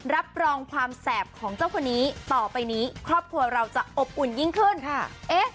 รับรองความแสบของเจ้าคนนี้ต่อไปนี้ครอบครัวเราจะอบอุ่นยิ่งขึ้นค่ะ